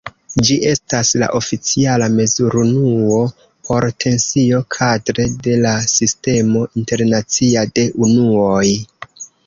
Ĝi estas la oficiala mezurunuo por tensio kadre de la Sistemo Internacia de Unuoj.